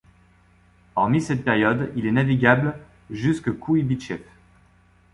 Hormis cette période, il est navigable jusque Kouïbychev.